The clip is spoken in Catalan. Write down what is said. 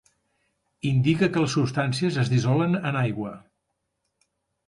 Indica que les substàncies es dissolen en aigua.